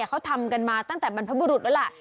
เขาทำกันมาตั้งแต่บรรพบุรุษแล้วล่ะ